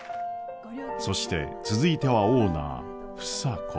そして続いてはオーナー房子。